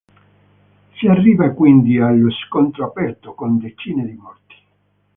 Si arriva quindi allo scontro aperto, con decine di morti.